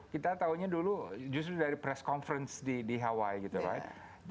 kita tahunya dulu justru dari press conference di hawaii gitu right